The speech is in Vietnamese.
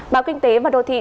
báo kinh tế và đồ thị